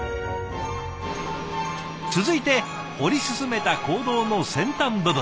続いて掘り進めた坑道の先端部分